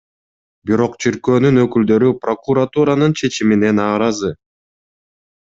Бирок чиркөөнүн өкүлдөрү прокуратуранын чечимине нааразы.